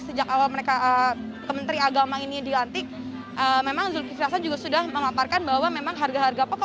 sejak awal mereka kementerian agama ini dilantik memang zulkiflias juga sudah memaparkan bahwa memang harga harga pokok akan segera diturunkan